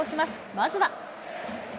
まずは。